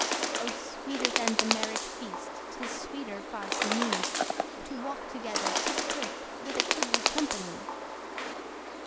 O sweeter than the marriage feast, 'Tis sweeter far to me, To walk together to the kirk With a goodly company!